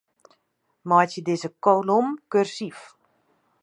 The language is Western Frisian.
Meitsje dizze kolom kursyf.